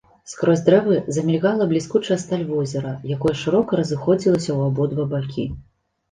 Скрозь дрэвы замільгала бліскучая сталь возера, якое шырока разыходзілася ў абодва бакі.